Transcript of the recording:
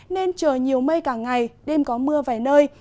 nên trời nhiều mây cả ngày đêm có mưa vài nơi